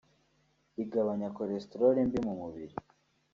igabanya cholesterol mbi mu mubiri